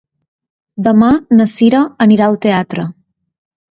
Demà na Sira anirà al teatre.